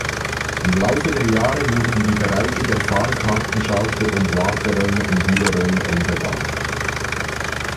Im Laufe der Jahre wurden die Bereiche der Fahrkartenschalter und Warteräume in Büroräume umgebaut.